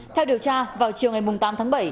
theo điều tra vào chiều ngày tám tháng bảy